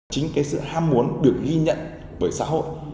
chính cái sự ham muốn được ghi nhận bởi xã hội